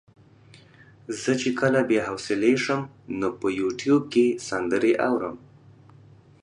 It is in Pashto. زه چې کله بې حوصلې شم نو په يوټيوب کې سندرې اورم.